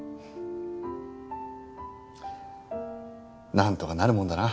なんとかなるもんだな。